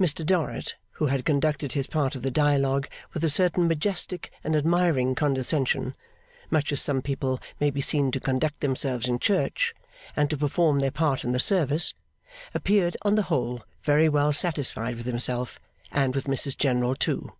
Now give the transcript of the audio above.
Mr Dorrit, who had conducted his part of the dialogue with a certain majestic and admiring condescension much as some people may be seen to conduct themselves in Church, and to perform their part in the service appeared, on the whole, very well satisfied with himself and with Mrs General too.